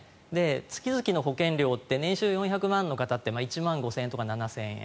月々の保険料って年収４００万円の方が１万５０００円とか７０００円。